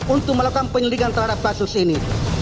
untuk melakukan penyelidikan terhadap kasus ini